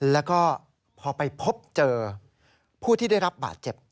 แล้วก็พอไปพบเจอผู้ที่ได้รับบาดเจ็บ